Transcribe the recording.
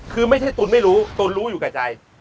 คือได้ตัวราศีตุ่นไม่รู้เติลรู้อยู่ใกล้ใจ